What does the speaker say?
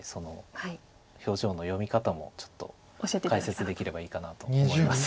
表情の読み方もちょっと解説できればいいかなと思います。